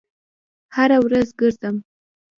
هره ورځ ګرځم